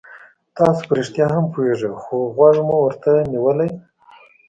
تاسو په رښتیا هم پوهېږئ خو غوږ مو ورته نیولی.